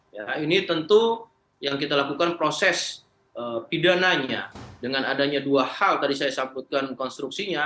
ya ini tentu yang kita lakukan proses pidananya dengan adanya dua hal tadi saya sebutkan konstruksinya